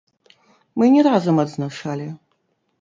Мы не разам адзначалі.